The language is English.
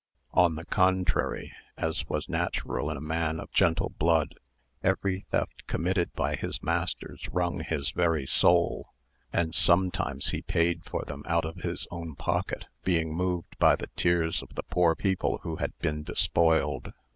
On the contrary, as was natural in a man of gentle blood, every theft committed by his masters wrung his very soul, and sometimes he paid for them out of his own pocket, being moved by the tears of the poor people who had been despoiled.